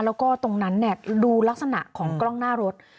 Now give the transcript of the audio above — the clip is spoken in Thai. แล้วก็ตรงนั้นดูลักษณะของกล้องหน้ารถ